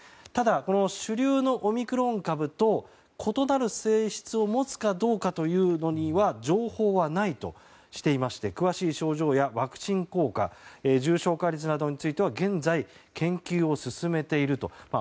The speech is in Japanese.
ただ、主流のオミクロン株と異なる性質を持つかどうかというのには情報はないとしていまして詳しい症状やワクチン効果重症化率などについては現在、研究を進めていると。